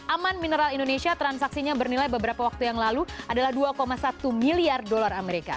aman mineral indonesia transaksinya bernilai beberapa waktu yang lalu adalah dua satu miliar dolar amerika